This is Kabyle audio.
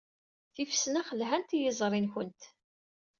Tifesnax lhant i yiẓri-nwent.